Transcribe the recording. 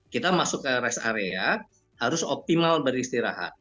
kita masuk ke rest area harus optimal beristirahat